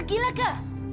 anda sudah gila